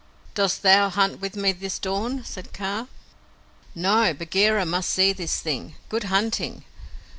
Dost thou hunt with me this dawn?" said Kaa. "No; Bagheera must see this thing. Good hunting!"